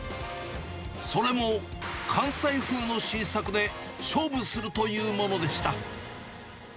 それも、関西風の新作で勝負するというものでした。